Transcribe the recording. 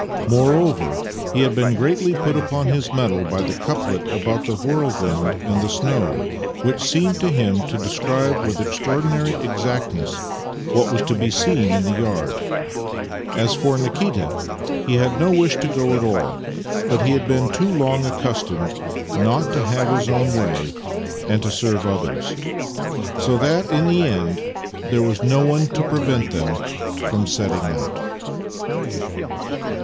Moreover, he had been greatly put upon his mettle by the couplet about the whirlwind and the snow, which seemed to him to describe with ex traorchnary exactness what was to be seen in the yard. As for Nikita, he had no wish to go at all, but he had been too long accustomed not to have his own way and to serve others; so that in the end there was no one to prevent them from setting out.